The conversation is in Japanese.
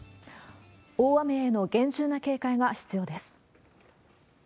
大雨への厳重な警戒が必要です。